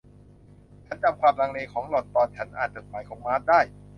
ฉันจำความลังเลของหล่อนตอนฉันอ่านจดหมายของมาร์ธได้